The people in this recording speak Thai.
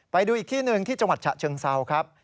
ไปดูอีกที่หนึ่งที่จังหวัดฉะเชิงเซาครับ